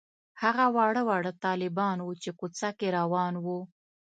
هغه واړه واړه طالبان وو چې کوڅه کې روان وو.